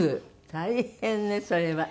大変ねそれは。